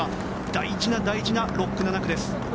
大事な大事な６区、７区です。